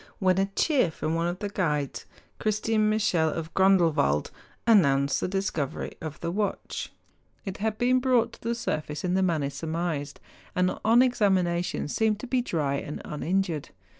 59 when a cheer from one of the guides—Christian Michel of Grondelwald—announced the discovery of the watch. It had been brought to the surface in the manner surmised, and on examination seemed to be dry and uninjured.